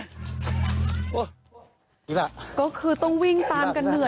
เจ้าแม่น้ำเจ้าแม่น้ำ